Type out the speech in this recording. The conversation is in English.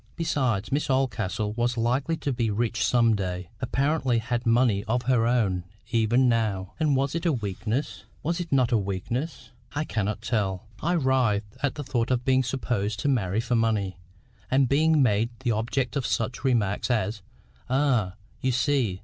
Besides, Miss Oldcastle was likely to be rich some day—apparently had money of her own even now; and was it a weakness? was it not a weakness?—I cannot tell—I writhed at the thought of being supposed to marry for money, and being made the object of such remarks as, "Ah! you see!